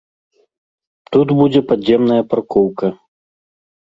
Тут будзе падземная паркоўка.